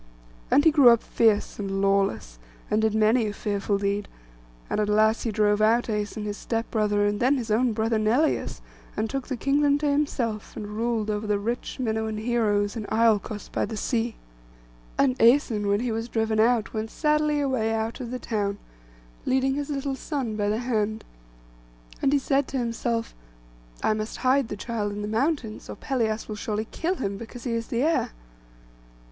And he grew up fierce and lawless, and did many a fearful deed; and at last he drove out Æson his step brother, and then his own brother Neleus, and took the kingdom to himself, and ruled over the rich Minuan heroes, in Iolcos by the sea. And Æson, when he was driven out, went sadly away out of the town, leading his little son by the hand; and he said to himself, 'I must hide the child in the mountains; or Pelias will surely kill him, because he is the heir.